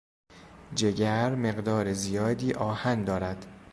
جگر مقدار زیادی آهن دارد.